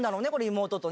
妹と。